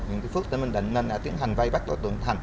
huyện tuy phước tỉnh bình định nên đã tiến hành vây bắt đối tượng thành